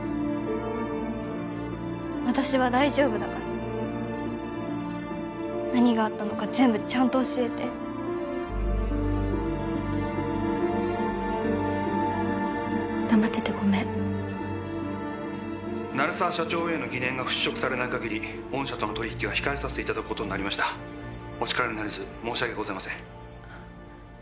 私は大丈夫だから何があったのか全部ちゃんと教えて黙っててごめん鳴沢社長への疑念が払拭されないかぎり御社との取り引きは控えさせていただくことになりましたお力になれず申し訳ございません